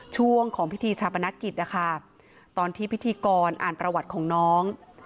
ช่วงของพิธีชาปนกิจนะคะตอนที่พิธีกรอ่านประวัติของน้อง